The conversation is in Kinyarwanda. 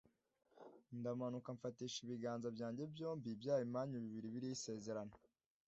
ndamanuka mfatisha ibiganza byanjye byombi bya bimanyu bibiri biriho isezerano.